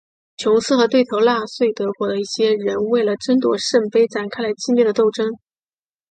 琼斯和对头纳粹德国的一些人为了争夺圣杯展开了激烈的斗争。